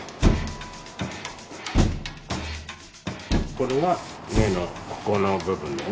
これは「ね」のここの部分だよね。